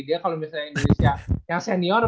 dia kalau misalnya indonesia yang senior